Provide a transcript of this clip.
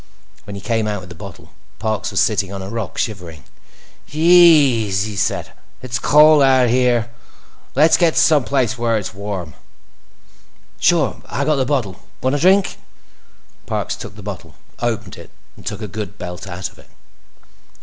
When he came out with the bottle, Parks was sitting on a rock, shivering. "Jeez krise!" he said. "It's cold out here. Let's get to someplace where it's warm." "Sure. I got the bottle. Want a drink?" Parks took the bottle, opened it, and took a good belt out of it.